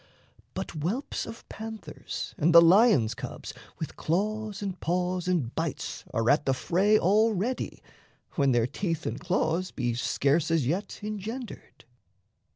But whelps of panthers and the lion's cubs With claws and paws and bites are at the fray Already, when their teeth and claws be scarce As yet engendered.